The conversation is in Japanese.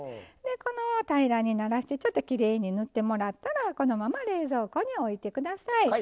平らにならしてちょっときれいに塗ってもらったらこのまま冷蔵庫に置いて下さい。